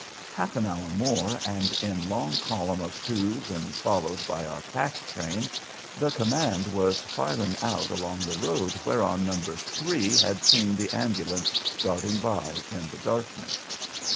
Half an hour more, and in long column of twos, and followed by our pack train, the command was filing out along the road whereon "No. 3" had seen the ambulance darting by in the darkness.